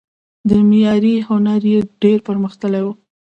د معمارۍ هنر یې ډیر پرمختللی و